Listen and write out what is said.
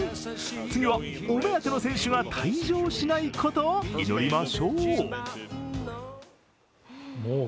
次はお目当ての選手が退場しないことを祈りましょう。